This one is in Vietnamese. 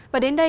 và đến đây